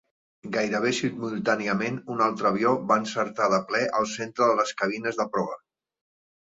Gairebé simultàniament, un altre avió va encertar de ple al centre de les cabines de proa.